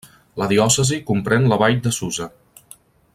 La diòcesi comprèn la vall de Susa.